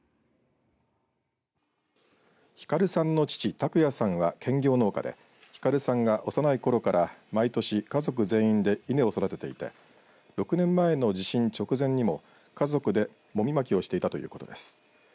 晃さんの父、卓也さんは兼業農家で晃さんが幼いころから毎年、家族全員で稲を育てていて６年前の地震直前にも家族でもみまきをしていたということです。